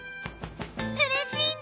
うれしいな！